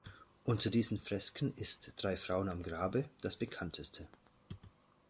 Unter diesen Fresken ist "Drei Frauen am Grabe" das bekannteste.